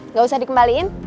nggak usah dikembaliin